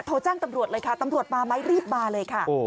โทรแจ้งตำรวจเลยค่ะตำรวจมาไหมรีบมาเลยค่ะ